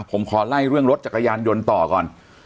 ผมขอไล่เรื่องรถจักรยานยนต์ต่อก่อน